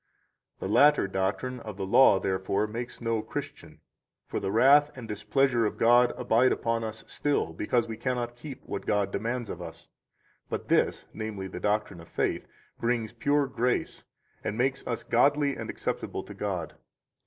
68 The latter doctrine [of the Law], therefore, makes no Christian, for the wrath and displeasure of God abide upon us still, because we cannot keep what God demands of us; but this [namely, the doctrine of faith] brings pure grace, and makes us godly and acceptable to God.